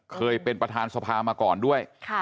เคยเป็นประธานสภามาก่อนด้วย